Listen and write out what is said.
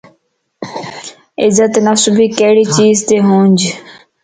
عزت نفس ڀي ڪھڙي چيز تي ھونج